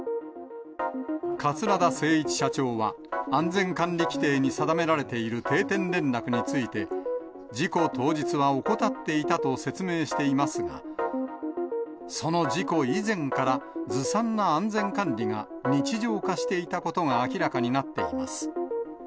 桂田精一社長は、安全管理規程に定められている定点連絡について、事故当日は怠っていたと説明していますが、その事故以前から、ずさんな安全管理が日常化していたことが明らかになっています。